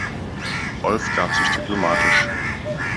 Rolf gab sich diplomatisch.